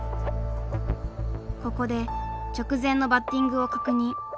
ここで直前のバッティングを確認。